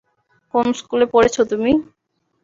কোন স্কুলে পড়েছো তুমি?